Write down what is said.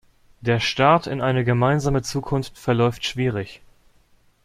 Der Start in eine gemeinsame Zukunft verläuft schwierig.